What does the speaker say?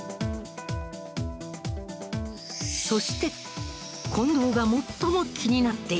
そして近藤が最も気になっていたのが。